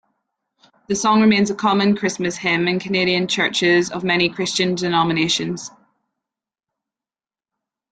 The song remains a common Christmas hymn in Canadian churches of many Christian denominations.